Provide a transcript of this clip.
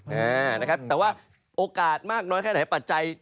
อ่านะครับแต่ว่าโอกาสมากน้อยแค่ไหนปัจจัย